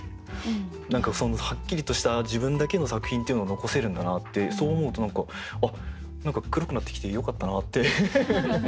何かはっきりとした自分だけの作品っていうのを残せるんだなってそう思うと何か「あっ何か黒くなってきてよかったな」って。